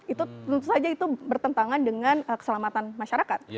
itu tentu saja itu bertentangan dengan keselamatan masyarakat